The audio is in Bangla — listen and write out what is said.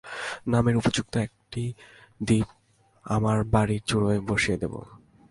নামের উপযুক্ত একটি দীপ আমার বাড়ির চুড়োয় বসিয়ে দেব।